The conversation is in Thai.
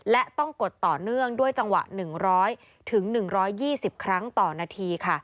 และต้องกดต่อเนื่องด้วยจังหวะ๑๐๐๑๒๐ครั้งต่อนาทีค่ะ